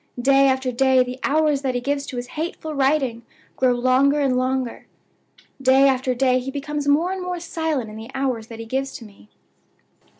Day after day the hours that he gives to his hateful writing grow longer and longer; day after day he becomes more and more silent in the hours that he gives to me.